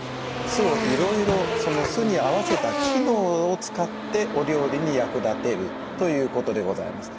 酢をいろいろその酢に合わせた機能を使ってお料理に役立てるということでございます。